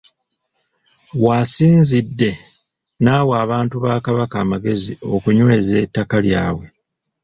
W’asinzidde n’awa abantu ba Kabaka amagezi okunyweza ettaka lyabwe.